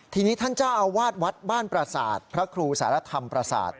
ทีนี้ท่านเจ้าอาวาสวัดบ้านประสาทพระครูสารธรรมประสาท